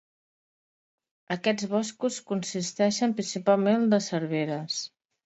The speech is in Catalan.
Aquests boscos consisteixen principalment de serveres.